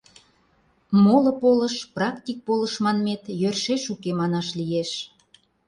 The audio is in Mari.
Моло полыш, практик полыш манмет, йӧршеш уке, манаш лиеш.